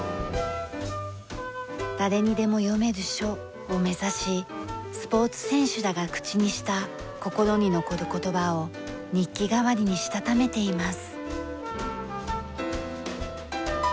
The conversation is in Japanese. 「誰にでも読める書」を目指しスポーツ選手らが口にした心に残る言葉を日記代わりにしたためています。